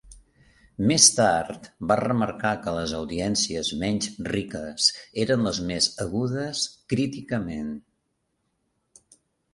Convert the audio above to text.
Més tard va remarcar que les audiències menys riques eren les més "agudes críticament".